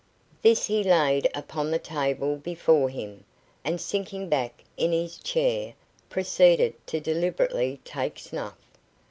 This he laid upon the table before him, and sinking back in his chair, proceeded to deliberately take snuff.